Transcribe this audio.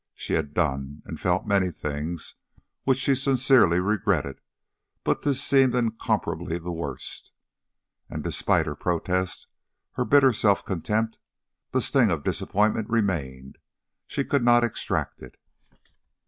She had done and felt many things which she sincerely regretted, but this seemed incomparably the worst. And despite her protest, her bitter self contempt, the sting of disappointment remained; she could not extract it.